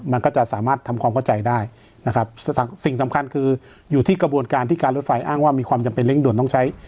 มันก็จะสามารถทำความเข้าใจได้นะครับสิ่งสำคัญคืออยู่ที่กระบวนการที่การรถไฟอ้างว่ามีความจำเป็นเร่งด่วนต้องใช้